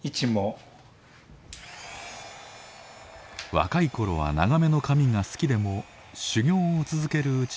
若い頃は長めの髪が好きでも修行を続けるうち